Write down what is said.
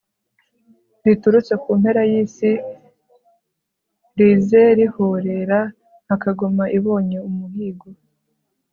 riturutse ku mpera y'isi, rize rihorera nka kagoma ibonye umuhigo